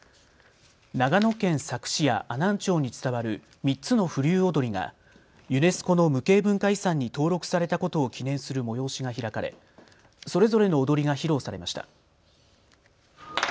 長野県佐久市や阿南町に伝わる３つの風流踊がユネスコの無形文化遺産に登録されたことを記念する催しが開かれそれぞれの踊りが披露されました。